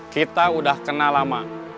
kita udah kena lama